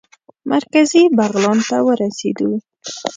مرکزي بغلان ته ورسېدو.